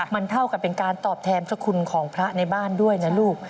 มันเท่ากับเป็นการตอบแทนสคุณของพระในบ้านด้วยนะลูก